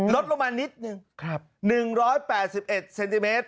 ลดลงมานิดนึง๑๘๑เซนติเมตร